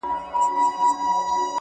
او خپل سر يې د لينگو پر آمسا کښېښود،